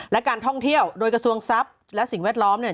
และการท่องเที่ยวโดยกระทรวงทรัพย์และสิ่งแวดล้อมเนี่ย